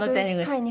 はい。